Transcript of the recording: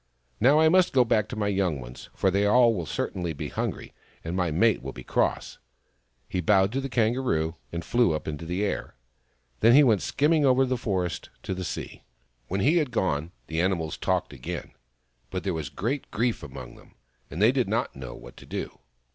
Now I must go back to my young ones, for they will certainly be hungry, and my mate will be cross." He bowed to the Kangaroo, and flew up into the air. Then he went skimming over the forest to the sea. When he had gone, the animals talked again, but there was great grief among them, and they did not know what to do.